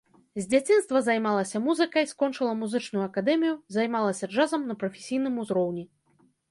З дзяцінства займалася музыкай, скончыла музычную акадэмію, займалася джазам на прафесійным узроўні.